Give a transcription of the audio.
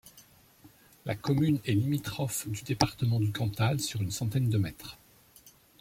La commune est limitrophe du département du Cantal sur une centaine de mètres.